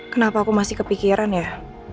kenapa aku masih kepikiran ya